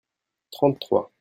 trente trois.